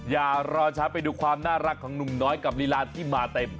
อย่ารอช้าไปดูความน่ารักของหนุ่มน้อยกับลีลาที่มาเต็ม